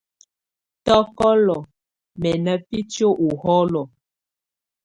Tɔ́kɔ́lɔ mɛ na fitiǝ́ ɔ hɔlɔ?